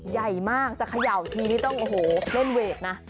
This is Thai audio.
ใหญ่มากจะเขย่าทีนี่ต้องโอ้โหเล่นเวทนะ